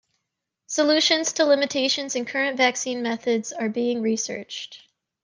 Solutions to limitations in current vaccine methods are being researched.